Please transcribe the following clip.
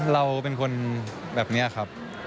เราเป็นคนแบบนี้ครับ